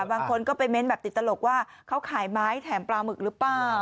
บางคนก็ไปเน้นแบบติดตลกว่าเขาขายไม้แถมปลาหมึกหรือเปล่า